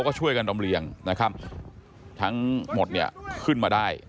ก็ช่วยกันลำเลี้ยงทั้งหมดขึ้นมาได้